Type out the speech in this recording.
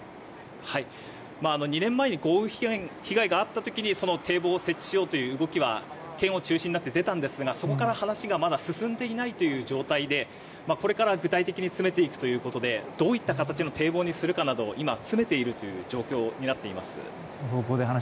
２年前に豪雨被害があった時に堤防を設置しようという動きは県が中心となって出たんですがそこから話がまだ進んでいないという状態でこれからは具体的に詰めていくということでどういった形の堤防にするかなどを今、詰めている状況になっています。